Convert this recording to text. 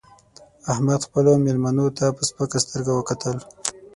احمد خپلو مېلمنو ته په سپکه سترګه وکتل